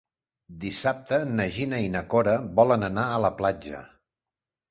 Dissabte na Gina i na Cora volen anar a la platja.